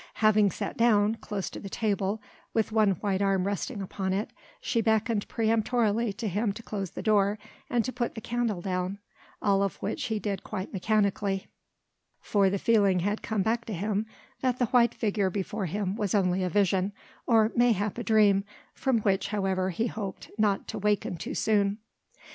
Having sat down, close to the table, with one white arm resting upon it, she beckoned peremptorily to him to close the door and to put the candle down; all of which he did quite mechanically, for the feeling had come back to him that the white figure before him was only a vision or mayhap a dream from which, however, he hoped not to awaken too soon.